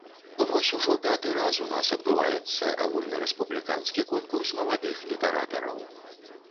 Вось ужо пяты раз у нас адбываецца агульнарэспубліканскі конкурс маладых літаратараў.